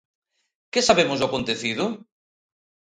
Que sabemos do acontecido?